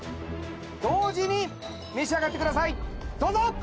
同時に召し上がってくださいどうぞ。